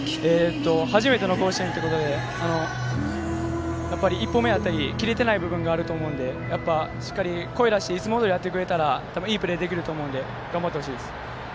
初めての甲子園ということで１歩目だったり切れていない面があると思うのでしっかり声出していつもどおりやってくれたらいいプレーできると思うので頑張ってほしいです。